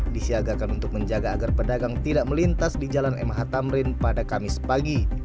disiagakan untuk menjaga agar pedagang tidak melintas di jalan mh tamrin pada kamis pagi